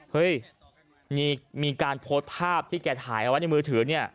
เฮ้ยมีการโพสต์ภาพที่แกถ่ายเอาไว้ในมือถือเนี่ย